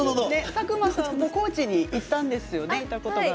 佐久間さんも高知に行ったんですね。